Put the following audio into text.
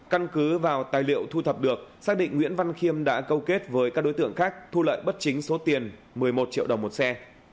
căn cứ vào tài liệu thu thập được xác định nguyễn văn khiêm đã câu kết với các đối tượng khác thu lợi bất chính số tiền một mươi một triệu đồng một xe